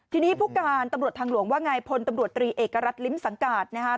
ทีนี้ผู้การตำรวจทางหลวงว่าไงพลตำรวจตรีเอกรัฐลิ้มสังกาศนะครับ